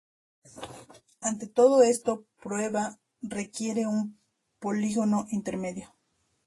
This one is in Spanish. Ante todo, esta prueba requiere un polígono intermedio.